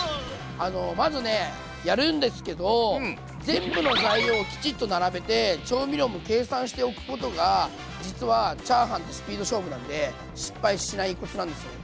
全部の材料をきちっと並べて調味料も計算しておくことが実はチャーハンってスピード勝負なんで失敗しないコツなんですよ。